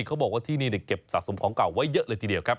เขาบอกว่าที่นี่เก็บสะสมของเก่าไว้เยอะเลยทีเดียวครับ